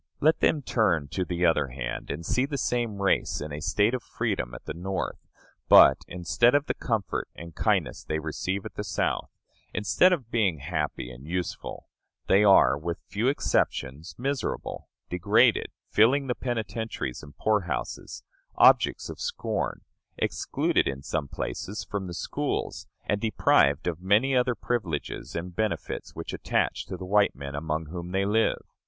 Let them turn to the other hand, and they see the same race in a state of freedom at the North; but, instead of the comfort and kindness they receive at the South, instead of being happy and useful, they are, with few exceptions, miserable, degraded, filling the penitentiaries and poor houses, objects of scorn, excluded in some places from the schools, and deprived of many other privileges and benefits which attach to the white men among whom they live.